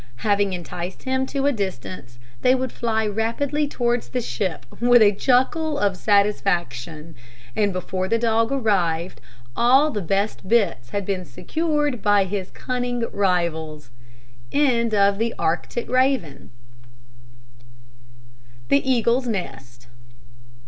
Having enticed him to a distance, they would fly rapidly towards the ship, with a chuckle of satisfaction; and before the dog arrived, all the best bits had been secured by his cunning rivals. THE EAGLE'S NEST.